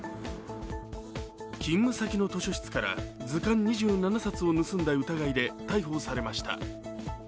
勤務先の図書室から図鑑２７冊を盗んだ疑いで逮捕されました。